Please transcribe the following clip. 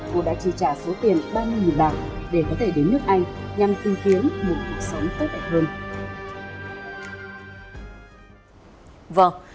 cô đã trì trả số tiền ba bạc để có thể đến nước anh nhằm tư kiếm một cuộc sống tốt đẹp hơn